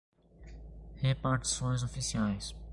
repartições oficiais